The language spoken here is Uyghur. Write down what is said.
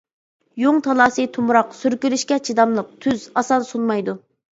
يۇڭ تالاسى تومراق، سۈركىلىشكە چىداملىق، تۈز، ئاسان سۇنمايدۇ.